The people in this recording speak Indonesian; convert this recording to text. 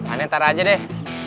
anak taro aja deh